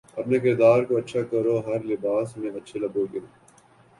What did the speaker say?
اپنے کردار کو اچھا کرو ہر لباس میں اچھے لگو گے